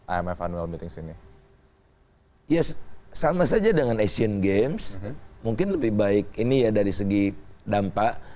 imf annual meetings ini ya sama saja dengan asian games mungkin lebih baik ini ya dari segi dampak